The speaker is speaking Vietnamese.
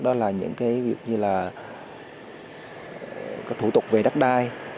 đó là những việc như là thủ tục về đắc đai